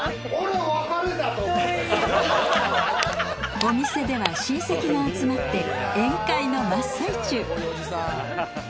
お店では親戚が集まって宴会の真っ最中。